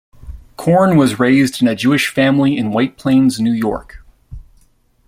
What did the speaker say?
Corn was raised in a Jewish family in White Plains, New York.